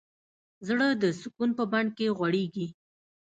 زړه د سکون په بڼ کې غوړېږي.